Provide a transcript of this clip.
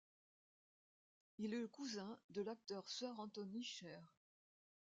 Il est le cousin de l'acteur Sir Anthony Sher.